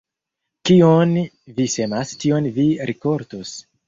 Kion vi semas, tion vi rikoltos.